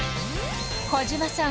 児嶋さん